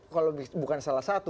kalau bukan salah satu